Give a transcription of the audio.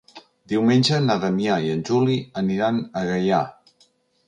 Diumenge na Damià i en Juli aniran a Gaià.